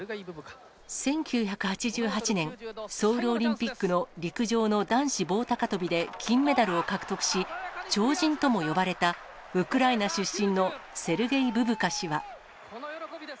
１９８８年、ソウルオリンピックの陸上の男子棒高跳びで金メダルを獲得し、鳥人とも呼ばれた、ウクライナ出身のセルゲイ・ブブカ氏は。